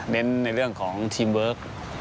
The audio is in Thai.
ในเรื่องของทีมเวิร์ค